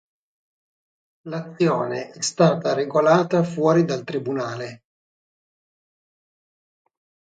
L'azione è stata regolata fuori dal tribunale.